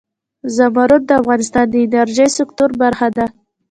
زمرد د افغانستان د انرژۍ سکتور برخه ده.